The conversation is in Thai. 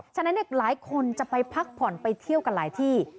ฉะนั้นหลายคนจะไปพักผ่อนไปเที่ยวกันหลายที่